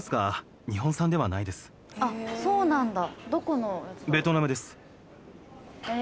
あっそうなんだ